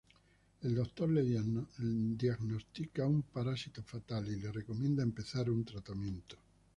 El doctor le diagnostica un parásito fatal y le recomienda empezar un tratamiento.